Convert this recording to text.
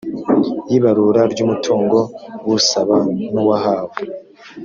y ibarura ry umutungo w usaba n uwahawe